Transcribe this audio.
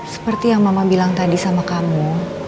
seperti yang mama bilang tadi sama kamu